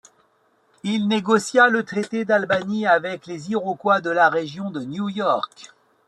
Il négocia le traité d'Albany avec les Iroquois de la région de New York.